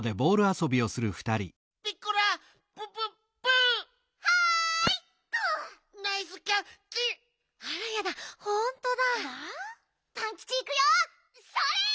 それ！